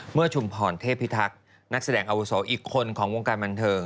ชุมพรเทพิทักษ์นักแสดงอาวุโสอีกคนของวงการบันเทิง